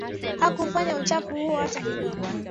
Hakufanya uchafu huo hata kidogo